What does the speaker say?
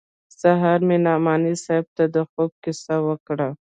سهار مې نعماني صاحب ته د خوب کيسه وکړه.